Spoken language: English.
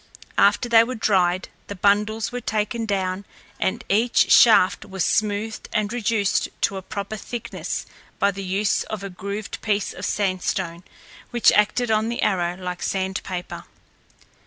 After they were dried, the bundles were taken down and each shaft was smoothed and reduced to a proper thickness by the use of a grooved piece of sand stone, which acted on the arrow like sandpaper.